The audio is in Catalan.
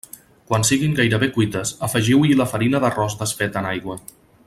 Quan siguin gairebé cuites, afegiu-hi la farina d'arròs desfeta en aigua.